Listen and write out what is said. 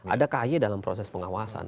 ada kay dalam proses pengawasan